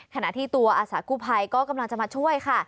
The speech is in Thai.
ขณะที่ตัวอาสากู้ภัยก็กำลังจะมาช่วยค่ะ